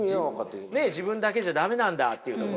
自分だけじゃ駄目なんだっていうところね。